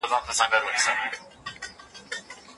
تعليم پراخ او عمومي دی.